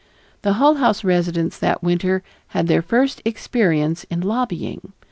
The Hull House residents that winter had their first experience in lobbying.